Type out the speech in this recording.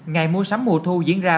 ngày mua sắm mùa thu diễn ra